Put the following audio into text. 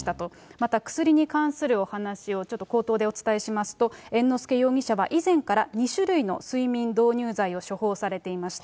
また、薬に関するお話を、ちょっと口頭でお伝えしますと、猿之助容疑者は、以前から２種類の睡眠導入剤を処方されていました。